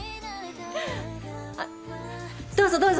あっどうぞどうぞ！